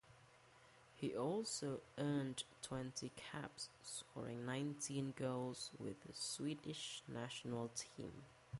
He also earned twenty caps, scoring nineteen goals, with the Swedish national team.